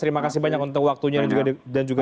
terima kasih banyak untuk waktunya dan juga